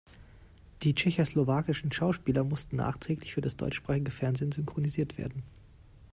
Die tschechoslowakischen Schauspieler mussten nachträglich für das deutschsprachige Fernsehen synchronisiert werden.